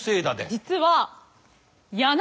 実は。